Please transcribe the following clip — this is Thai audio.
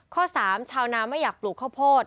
ข้อ๓ชาวนาไม่อยากปลูกข้าวโพด